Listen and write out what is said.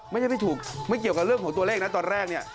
ไม่ถูกไม่เกี่ยวกับเรื่องของตัวเลขนะตอนแรกเนี่ย